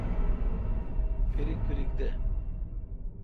پھریک پھریک دہ۔